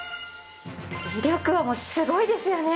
威力はもうすごいですよね。